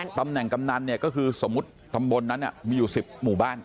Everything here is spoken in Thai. ตำแหน่งกำนันเนี่ยก็คือสมมุติตำบลนั้นมีอยู่๑๐หมู่บ้าน